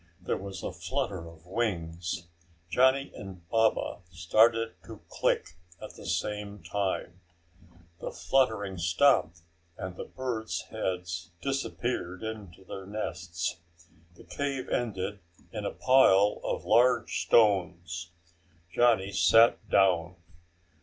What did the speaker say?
There was a flutter of wings. Johnny and Baba started to click at the same time. The fluttering stopped and the birds' heads disappeared into their nests. The cave ended in a pile of large stones. Johnny sat down.